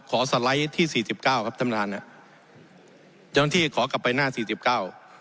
สไลด์ที่สี่สิบเก้าครับท่านประธานอ่ะเจ้าหน้าที่ขอกลับไปหน้าสี่สิบเก้า